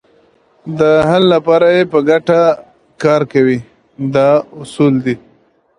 د حل لپاره یې په ګټه کار کوي دا اصول دي.